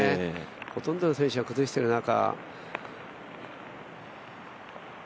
ほとんどの選手が崩している中。